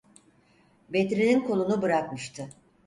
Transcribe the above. Bedri’nin kolunu bırakmıştı.